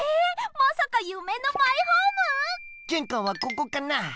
まさかゆめのマイホーム⁉げんかんはここかな？